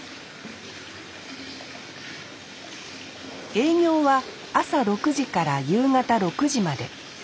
営業は朝６時から夕方６時まで。